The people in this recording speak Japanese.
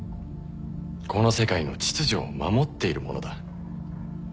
この世界の秩序を守っている者だ。